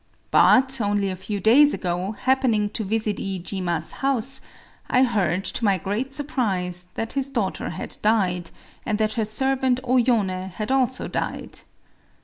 But, only a few days ago, happening to visit Iijima's house, I heard, to my great surprise, that his daughter had died, and that her servant O Yoné had also died.